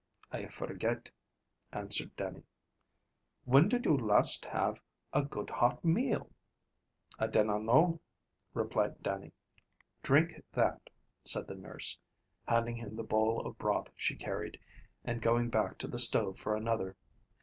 "I forget," answered Dannie. "When did you last have a good hot meal?" "I dinna know," replied Dannie. "Drink that," said the nurse, handing him the bowl of broth she carried, and going back to the stove for another.